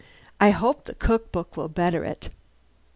I hope the cook book will better it."